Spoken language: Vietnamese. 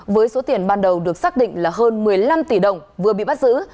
với số tiền ban đầu được xác định là hơn một mươi năm tỷ đồng vừa bị bắt giữ